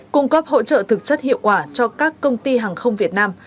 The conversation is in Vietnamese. cung cấp hỗ trợ thực chất hiệu quả cho các công ty hàng không việt nam